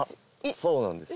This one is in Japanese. そうなんです。